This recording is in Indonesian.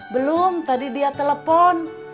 belum tadi dia telepon